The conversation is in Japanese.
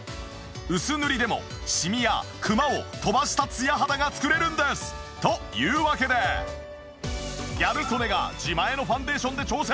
薄塗りでもシミやクマを飛ばしたツヤ肌が作れるんです！というわけでギャル曽根が自前のファンデーションで挑戦。